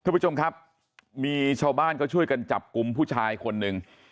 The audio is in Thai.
คุณผู้ชมครับมีชาวบ้านก็ช่วยกันจับกลุ่มผู้ชายคนหนึ่ง